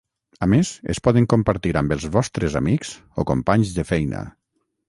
A més, es poden compartir amb els vostres amics o companys de feina.